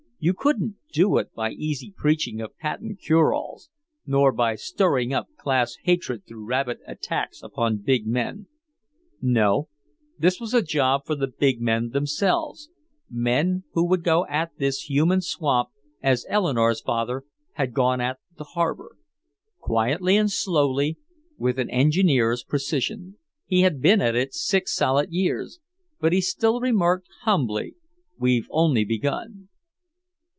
You couldn't do it by easy preaching of patent cure alls, nor by stirring up class hatred through rabid attacks upon big men. No, this was a job for the big men themselves, men who would go at this human swamp as Eleanore's father had gone at the harbor quietly and slowly, with an engineer's precision. He had been at it six solid years, but he still remarked humbly, "We've only begun."